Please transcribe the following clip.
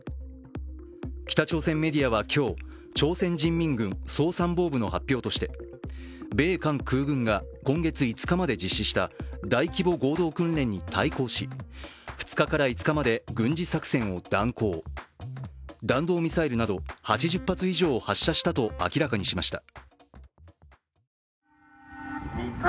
北朝鮮メディアは今日、朝鮮人民軍総参謀部の発表として米韓空軍が今月５日まで実施した大規模合同訓練に対抗し２日から５日まで軍事作戦を断行、弾道ミサイルなど８０発以上を発射したと明らかにしました。